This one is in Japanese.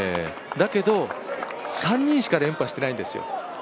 だけど、３人しか連覇していないんですよ。